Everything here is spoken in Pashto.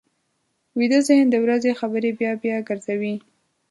ویده ذهن د ورځې خبرې بیا بیا ګرځوي